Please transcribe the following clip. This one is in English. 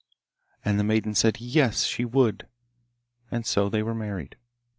And the maiden said 'yes, she would,' and so they were married.